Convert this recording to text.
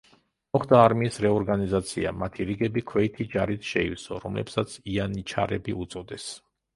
მოხდა არმიის რეორგანიზაცია, მათი რიგები ქვეითი ჯარით შეივსო, რომლებსაც იანიჩარები უწოდეს.